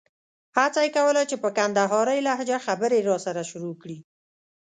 هڅه یې کوله چې په کندارۍ لهجه خبرې راسره شروع کړي.